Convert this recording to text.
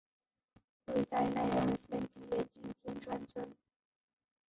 位在奈良县吉野郡天川村。